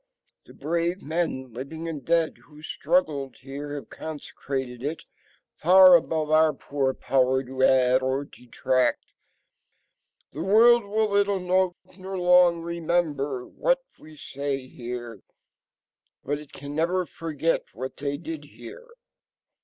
The brave men, living and dead, who struggled here have consecrated it, far above our poor power to add or detract. The world will little note, nor long remember, what we say here, but it can never forget what they did here.